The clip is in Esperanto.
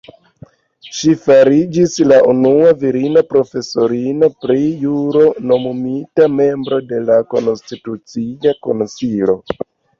Ŝi fariĝis la unua virino profesorino pri juro nomumita membro de la Konstitucia Konsilio.